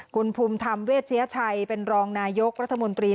คุณภูมิธรรมเวชยชัยเป็นรองนายกรัฐมนตรี